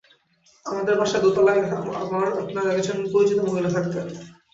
আমাদের বাসার দোতলায় আপনার একজন পরিচিত মহিলা থাকতেন।